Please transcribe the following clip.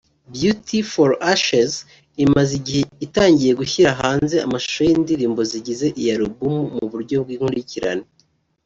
Beauty For Ashes imaze igihe itangiye gushyira hanze amashusho y’indirimbo zigize iyi album mu buryo bw’inkurikirane